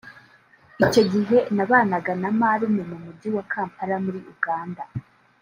Icyo gihe nabanaga na marume mu Mujyi wa Kampala muri Uganda